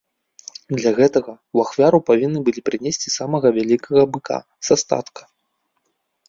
Для гэтага ў ахвяру павінны былі прынесці самага вялікага быка са статка.